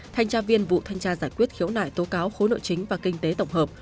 thanh tra viên vụ thanh tra giải quyết khiếu nại tố cáo khối nội chính và kinh tế tổng hợp